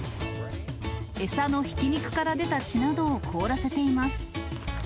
餌のひき肉などから出た血などを凍らせています。